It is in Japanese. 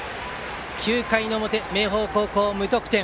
９回の表、明豊高校は無得点。